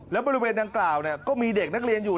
แล้วบริเวณดังกล่าวก็มีเด็กนักเรียนอยู่